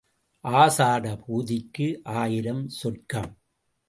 ஆஷாட பூதிக்கு ஆயிரம் சொர்க்கம்.